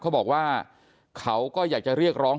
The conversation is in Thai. เขาบอกว่าเขาก็อยากจะเรียกร้อง